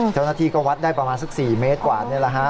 เจ้าหน้าที่ก็วัดได้ประมาณสัก๔เมตรกว่านี่แหละฮะ